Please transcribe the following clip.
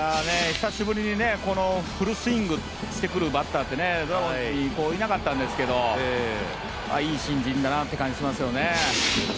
久しぶりにフルスイングしてくるバッターって今までいなかったんですけどいい新人だなっていう感じがしますよね。